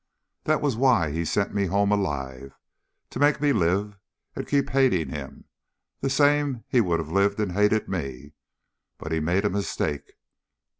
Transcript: "That was why he sent me home alive. To make me live and keep hating him, the same's he'd lived and hated me. But he made a mistake.